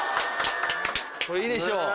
これいいでしょう